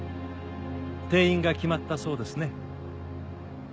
転院が決まったそうですね。